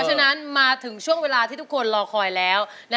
หาละครับ